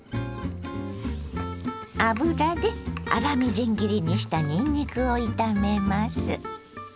油で粗みじん切りにしたにんにくを炒めます。